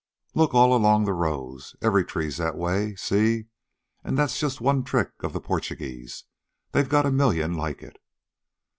Look along all the rows. Every tree's that way. See? An' that's just one trick of the Porchugeeze. They got a million like it.